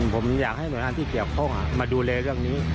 ผมอยากให้หน่วยงานที่เกี่ยวข้องมาดูแลเรื่องนี้